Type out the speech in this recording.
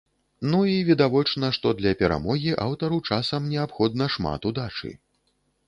Ну і відавочна, што для перамогі аўтару часам неабходна шмат удачы.